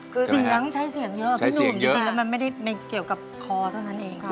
คือเสียงใช้เสียงเยอะพี่หนุ่มจริงแล้วมันไม่ได้เกี่ยวกับคอเท่านั้นเองค่ะ